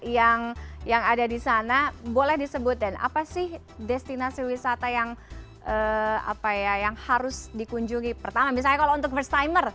yang ada di sana boleh disebutin apa sih destinasi wisata yang harus dikunjungi pertama misalnya kalau untuk first timer